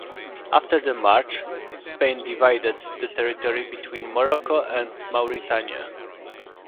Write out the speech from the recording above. After the march, Spain divided the territory between Morocco and Mauritania.